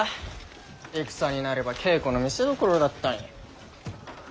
戦になれば稽古の見せどころだったにい。